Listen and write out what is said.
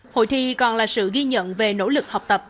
hội thi còn là sự ghi nhận về nỗ lực học tập